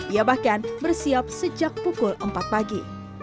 ia bahkan bersiap sejak pukul empat pagi